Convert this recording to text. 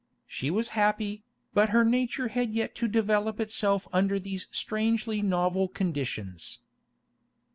She was happy, but her nature had yet to develop itself under these strangely novel conditions.